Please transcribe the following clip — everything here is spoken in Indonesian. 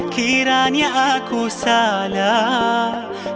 kiranya aku salah